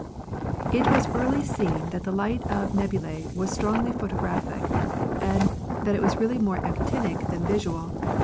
It was early seen that the light of nebulae was strongly photographic, that it was really more actinic than visual.